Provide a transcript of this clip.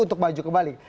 untuk maju kembali